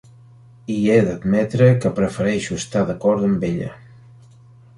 I he d'admetre que prefereixo estar d'acord amb ella.